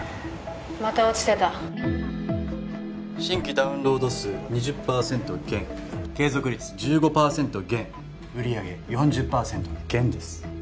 また落ちてた新規ダウンロード数２０％減継続率１５％減売上４０％減です